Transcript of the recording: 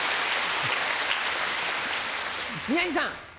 宮治さん。